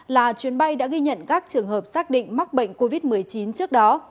là chuyến bay đã ghi nhận các trường hợp xác định mắc bệnh covid một mươi chín trước đó